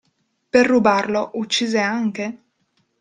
Per rubarlo, uccise anche?